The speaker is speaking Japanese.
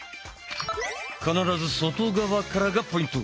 必ず外側からがポイント。